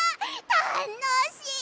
たのしい！